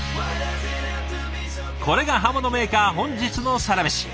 これが刃物メーカー本日のサラメシ。